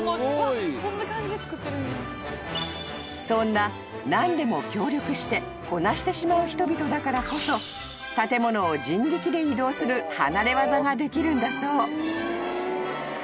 ［そんな何でも協力してこなしてしまう人々だからこそ建物を人力で移動する離れ業ができるんだそう］